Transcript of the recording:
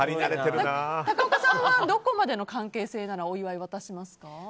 高岡さんはどこまでの関係性ならお祝い渡しますか？